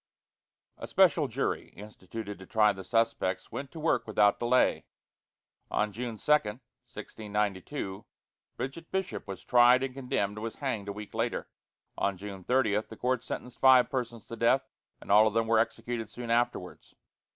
A special jury, instituted to try the suspects, went to work without delay. On June 2, 1692, Bridget Bishop was tried and condemned and was hanged a week later. On June 30 the court sentenced five persons to death, and all of them were executed soon afterwards.